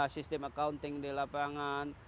sistem accounting di lapangan